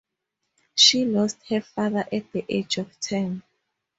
She lost her father at the age of ten.